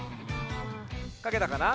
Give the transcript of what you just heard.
かけたかな？